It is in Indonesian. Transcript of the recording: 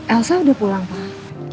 elsa udah pulang pak